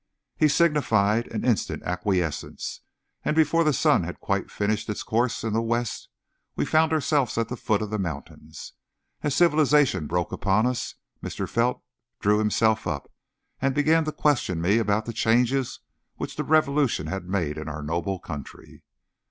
He signified an instant acquiescence, and before the sun had quite finished its course in the west we found ourselves at the foot of the mountains. As civilization broke upon us Mr. Felt drew himself up, and began to question me about the changes which the revolution had made in our noble country.